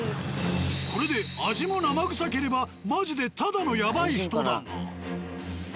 これで味も生臭ければマジでただのヤバい人だが。